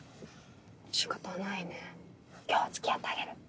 仕方ないね今日は付き合ってあげる。